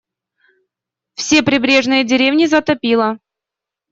Все прибрежные деревни затопило.